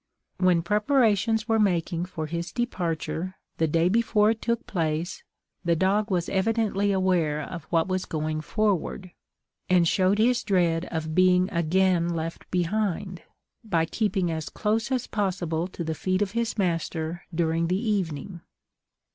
When preparations were making for his departure, the day before it took place, the dog was evidently aware of what was going forward, and showed his dread of being again left behind, by keeping as close as possible to the feet of his master during the evening.